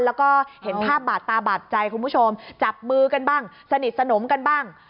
แล้วก็เห็นภาพบาดตาบาดใจคุณผู้ชมจับมือกันบ้างสนิทสนมกันบ้าง